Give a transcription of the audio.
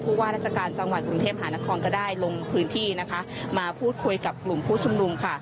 ว่าราชการจังหวัดกรุงเทพหานครก็ได้ลงพื้นที่นะคะมาพูดคุยกับกลุ่มผู้ชุมนุมค่ะ